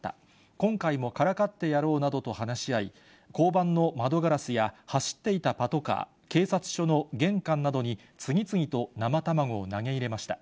今回もからかってやろうなどと話し合い、交番の窓ガラスや走っていたパトカー、警察署の玄関などに次々と生卵を投げ入れました。